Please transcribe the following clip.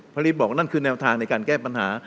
ผลิตบอกว่านั่นคือแนวทางในการแก้ปัญหา